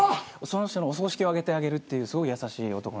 その人のお葬式をあげてあげるっていうすごい優しい男。